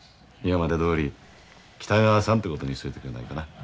今までどおり北川さんということにしといてくれないかな。